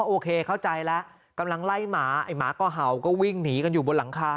โอเคเข้าใจแล้วกำลังไล่หมาไอ้หมาก็เห่าก็วิ่งหนีกันอยู่บนหลังคา